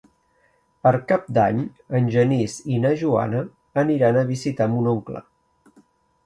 Per Cap d'Any en Genís i na Joana aniran a visitar mon oncle.